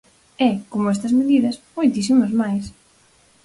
E, como estas medidas, moitísimas máis.